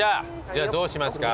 じゃあどうしますか？